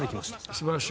素晴らしい。